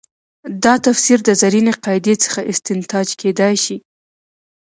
دا تفسیر د زرینې قاعدې څخه استنتاج کېدای شي.